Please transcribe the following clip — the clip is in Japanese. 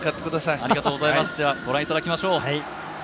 御覧いただきましょう。